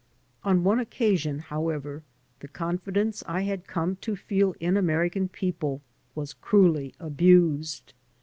On one occasion, however, the confidence I had come to fed in Amoican people was cruelly abused.